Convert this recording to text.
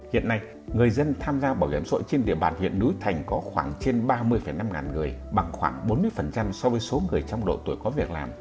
hiện nay người dân tham gia bảo hiểm sội trên địa bàn huyện núi thành có khoảng trên ba mươi năm người bằng khoảng bốn mươi so với số người trong độ tuổi có việc làm